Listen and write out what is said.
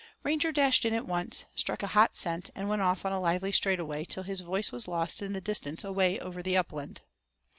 Ranger dashed in at once, struck a hot scent and went off on a lively straight away till his voice was lost in the distance away over the upland.